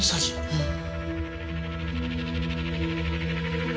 うん。